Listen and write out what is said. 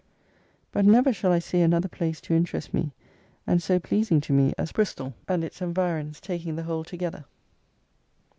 But never shall I see another place to interest me, and so pleasing to me, as Bristol and its environs, taking the whole together.